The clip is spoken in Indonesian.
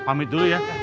be pamit dulu ya